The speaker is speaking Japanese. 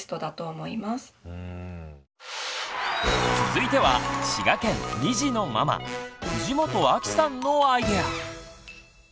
続いては滋賀県２児のママ藤本晶さんのアイデア！